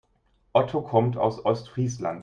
Otto kommt aus Ostfriesland.